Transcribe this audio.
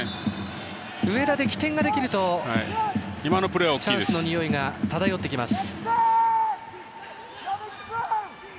上田で起点ができるとチャンスのにおいが漂ってきます。